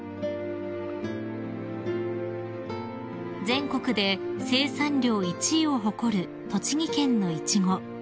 ［全国で生産量１位を誇る栃木県のイチゴ］